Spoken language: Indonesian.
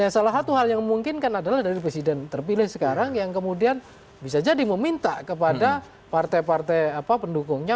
salah satu hal yang memungkinkan adalah dari presiden terpilih sekarang yang kemudian bisa jadi meminta kepada partai partai pendukungnya